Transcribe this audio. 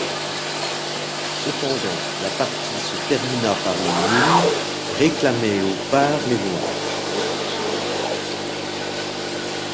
Cependant, la partie se termina par une nulle réclamée au par les Noirs.